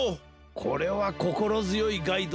これはこころづよいガイドだな。